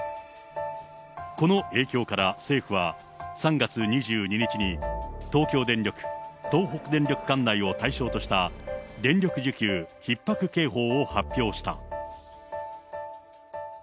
この影響から政府は３月２２日に、東京電力、東北電力管内を対象とした、電力需給ひっ迫警報を発表した。